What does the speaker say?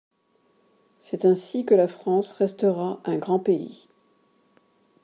C’est ainsi que la France restera un grand pays.